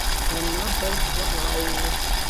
Бына был һорау!